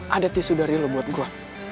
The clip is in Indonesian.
ada tisu dari lo buat gue